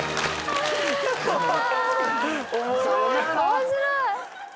面白い。